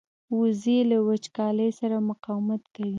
وزې له وچکالۍ سره مقاومت کوي